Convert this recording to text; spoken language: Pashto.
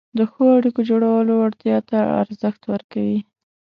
د ښو اړیکو جوړولو وړتیا ته ارزښت ورکوي،